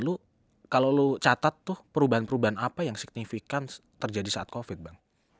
lu kalau lo catat tuh perubahan perubahan apa yang signifikan terjadi saat covid bang